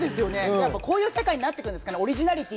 こういう世界になってくるんですかね？